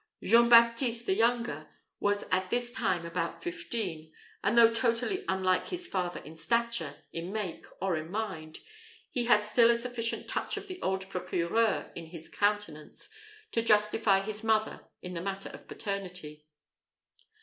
Jean Baptiste, the younger, was at this time about fifteen; and though totally unlike his father in stature, in make, or in mind, he had still a sufficient touch of the old procureur in his countenance, to justify his mother in the matter of paternity.